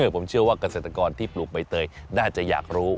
ผมเชื่อว่าเกษตรกรที่ปลูกใบเตยน่าจะอยากรู้